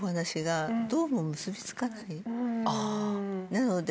なので。